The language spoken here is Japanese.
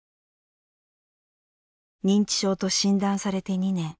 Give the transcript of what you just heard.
認知症と診断されて２年。